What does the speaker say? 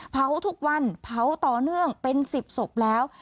เผาทุกวันเผาต่อเนื่องเป็น๑๐ศพแล้ว